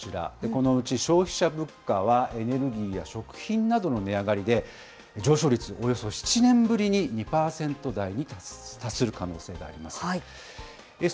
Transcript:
このうち消費者物価は、エネルギーや食品などの値上がりで、上昇率、およそ７年ぶりに２％台に達する可能性があります。